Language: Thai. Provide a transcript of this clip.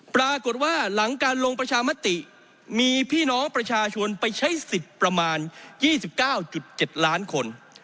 ปรากฏว่าหลังการลงประชามติมีพี่น้องประชาชนไปใช้สิทธิ์ประมาณ๒๙๗ล้านคน